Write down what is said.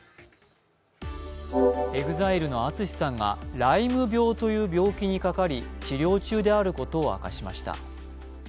ＥＸＩＬＥのＡＴＳＵＳＨＩさんがライム病という病気にかかり治療中であることを明かしました。